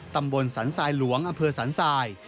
ตำบลศรรษายหลวงอศรรภ์